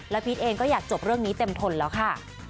พีชเองก็อยากจบเรื่องนี้เต็มทนแล้วค่ะ